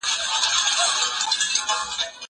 زه اوبه پاکې کړې دي!؟